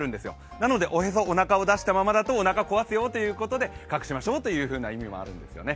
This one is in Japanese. なので、おへそ、おなかを出したままだとおなかをこわすよという意味で隠しましょうというような意味があるんですよね。